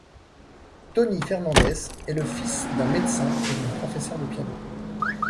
Tony Fernandes est le fils d'un médecin et d'une professeur de piano.